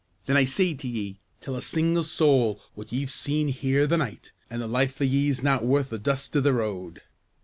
Then I say to ye, tell a single soul what ye've seen here the night, an' the life o' ye's not worth the dust i' the road.